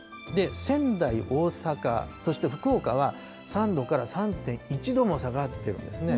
仙台、大阪、そして福岡は３度から３．１度も下がってるんですね。